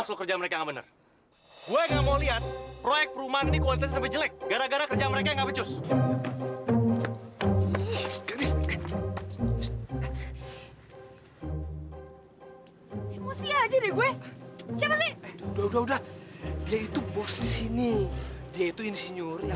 sampai jumpa di video selanjutnya